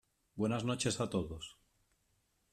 Buenas noches a todos.